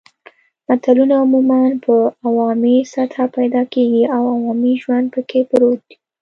متلونه عموماً په عوامي سطحه پیدا کېږي او عوامي ژوند پکې پروت وي